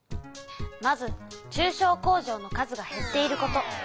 まず中小工場の数がへっていること。